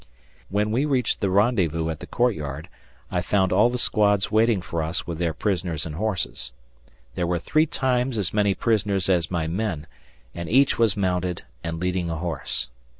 When we reached the rendezvous at the courtyard, I found all the squads waiting for us with their prisoners and horses. There were three times as many prisoners as my men, and each was mounted and leading a horse.